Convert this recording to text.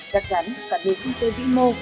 chắc chắn cả người kinh tế vĩ mô